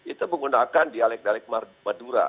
itu menggunakan dialek dialek madura